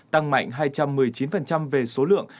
tăng mạnh hai trăm một mươi chín về số lượng